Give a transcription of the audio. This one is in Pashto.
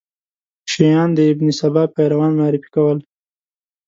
شیعیان د ابن سبا پیروان معرفي کول.